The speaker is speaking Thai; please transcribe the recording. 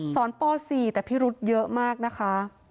ป๔แต่พิรุธเยอะมากนะคะ